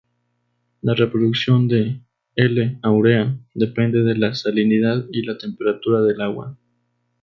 La reproducción de "L. aurea" depende de la salinidad y la temperatura del agua.